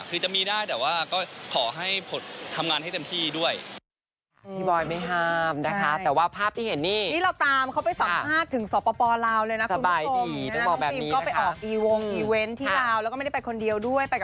คือจะมีได้แต่ว่าก็ขอให้ทำงานให้เต็มที่ด้วย